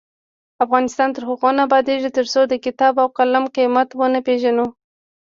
افغانستان تر هغو نه ابادیږي، ترڅو د کتاب او قلم قیمت ونه پیژنو.